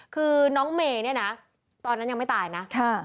คือน้องเมย์เนี่ยนะตอนนั้นยังไม่ตายนะ